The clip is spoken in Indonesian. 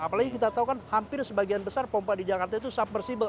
apalagi kita tahu kan hampir sebagian besar pompa di jakarta itu submersible